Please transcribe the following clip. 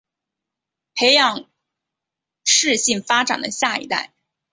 培养适性发展的下一代